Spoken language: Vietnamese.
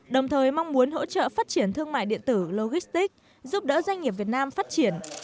đồng thời mong muốn hỗ trợ phát triển thương mại điện tử logistics giúp đỡ doanh nghiệp việt nam phát triển